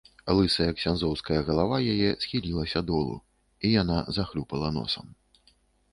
Лысая ксяндзоўская галава яе схілілася долу, і яна захлюпала носам.